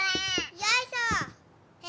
よいしょ！